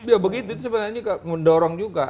ya begitu itu sebenarnya mendorong juga